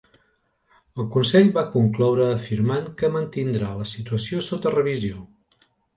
El Consell va concloure afirmant que mantindrà la situació sota revisió.